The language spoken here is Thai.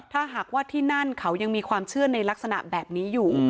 ถ้าหากว่าที่นั่นเขายังมีความเชื่อในลักษณะแบบนี้อยู่